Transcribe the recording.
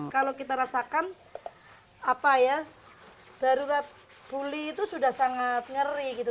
kalau kita rasakan apa ya darurat buli itu sudah sangat ngeri gitu